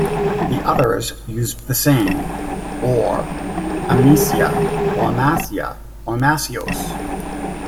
The others used the same, or Amisia, or Amasia or Amasios.